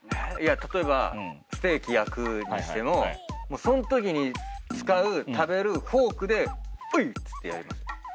例えばステーキ焼くにしてもそのときに使う食べるフォークでおいっつって。